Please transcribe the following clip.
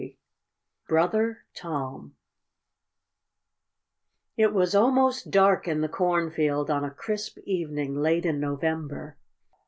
XXIV BROTHER TOM It was almost dark in the cornfield on a crisp evening late in November.